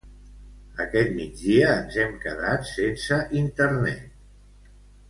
Aquest migdia ens hem quedat sense internet